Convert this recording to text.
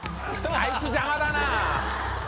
あいつ邪魔だな！